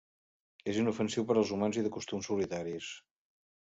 És inofensiu per als humans i de costums solitaris.